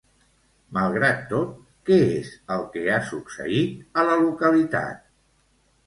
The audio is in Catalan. Malgrat tot, què és el que ha succeït a la localitat?